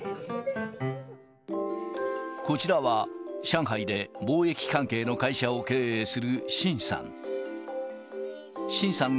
こちらは、上海で貿易関係の会社を経営する秦さん。